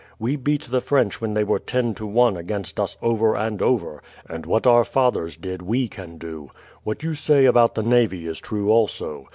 We beat the French when they were ten to one against us over and over, and what our fathers did we can do. What you say about the navy is true also.